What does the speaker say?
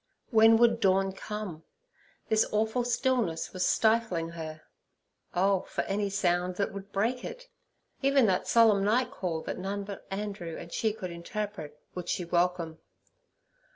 When would dawn come? This awful stillness was stifling her. Oh for any sound that would break it! Even that solemn night call that none but Andrew and she could interpret, would she welcome.